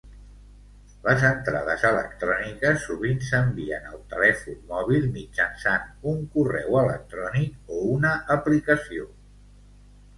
Les entrades electròniques sovint s'envien al telèfon mòbil mitjançant un correu electrònic o una aplicació.